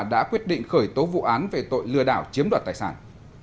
đã quyết định khởi tố vụ án về tội lừa đảo chiếm đoạt tài sản